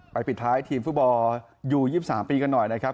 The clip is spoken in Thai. ปิดท้ายทีมฟุตบอลยู๒๓ปีกันหน่อยนะครับ